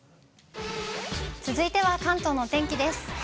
続いては関東のお天気です。